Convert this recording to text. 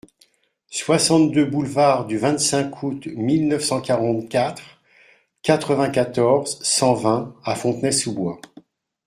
soixante-deux boulevard du vingt-cinq Août mille neuf cent quarante-quatre, quatre-vingt-quatorze, cent vingt à Fontenay-sous-Bois